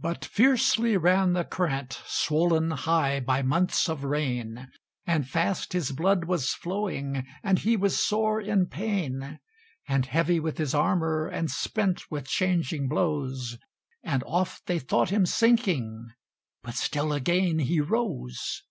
But fiercely ran the current, Swollen high by months of rain: And fast his blood was flowing; And he was sore in pain, And heavy with his armour, And spent with changing blows: And oft they thought him sinking, But still again he rose.